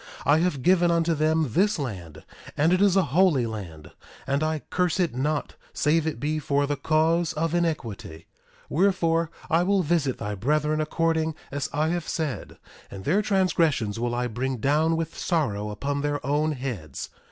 I have given unto them this land, and it is a holy land; and I curse it not save it be for the cause of iniquity; wherefore, I will visit thy brethren according as I have said; and their transgressions will I bring down with sorrow upon their own heads.